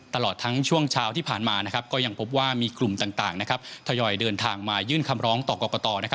ตลอดทั้งช่วงเช้าที่ผ่านมาก็ยังพบว่ามีกลุ่มต่างทยอยเดินทางมายื่นคำร้องต่อกรกต